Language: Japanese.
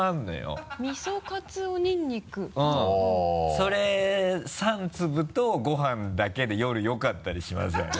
それ３粒とご飯だけで夜よかったりしますよね。